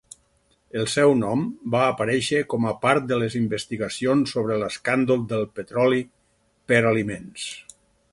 El seu nom va aparèixer com a part de les investigacions sobre l'escàndol del petroli per aliments.